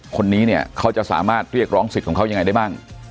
คนนี้เนี่ยเขาจะสามารถเรียกร้องสิทธิ์ของเขายังไงได้มั่ง